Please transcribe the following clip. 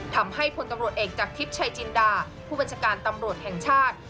พลตำรวจเอกจากทิพย์ชัยจินดาผู้บัญชาการตำรวจแห่งชาติ